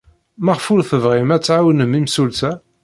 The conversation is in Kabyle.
Maɣef ur tebɣim ad tɛawnem imsulta?